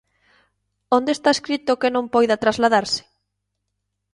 ¿Onde está escrito que non poida trasladarse?